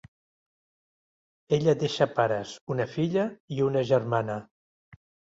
Ella deixa pares, una filla i una germana.